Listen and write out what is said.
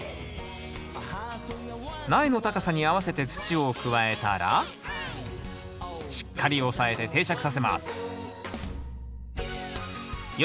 苗の高さに合わせて土を加えたらしっかり押さえて定着させます。